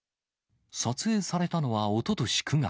撮影されたのは、おととし９月。